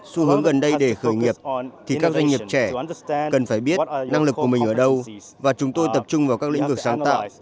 xu hướng gần đây để khởi nghiệp thì các doanh nghiệp trẻ cần phải biết năng lực của mình ở đâu và chúng tôi tập trung vào các lĩnh vực sáng tạo